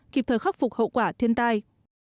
kịp thời khắc phục hậu quả thiên tai